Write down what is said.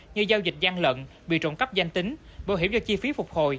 như giao dịch gian lận bị trộn cắp danh tính bảo hiểm cho chi phí phục hồi